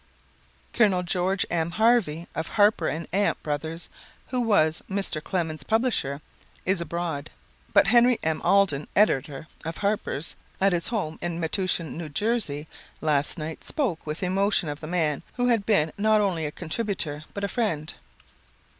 Col. George M. Harvey of Harper & amp; Brothers, who was Mr. Clemens's publisher, is abroad. But Henry M. Alden, editor of Harper's, at his home in Metuchen, N.J., last night spoke with emotion of the man who had been not only a contributor, but a friend.